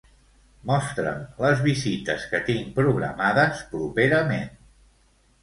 Mostra'm les visites que tinc programades properament.